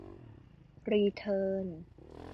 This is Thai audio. รีเทิร์น